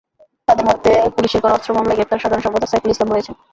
তাঁদের মধ্যে পুলিশের করা অস্ত্র মামলায় গ্রেপ্তার সাধারণ সম্পাদক সাইফুল ইসলাম রয়েছেন।